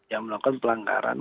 yang melakukan pelanggaran